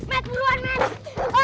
met puluan met